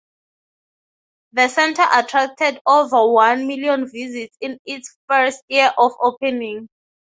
The centre attracted over one million visits in its first year of opening.